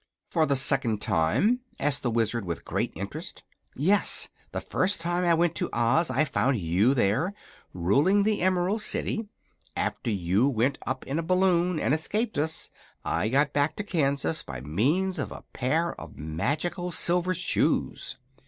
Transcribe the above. "For the second time?" asked the Wizard, with great interest. "Yes. The first time I went to Oz I found you there, ruling the Emerald City. After you went up in a balloon, and escaped us, I got back to Kansas by means of a pair of magical silver shoes."